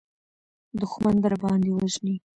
دښمن درباندې وژني.